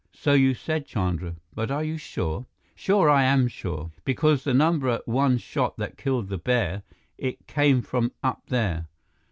"So you said, Chandra. But are you sure?" "Sure I am sure. Because the number one shot that killed the bear, it came from up there.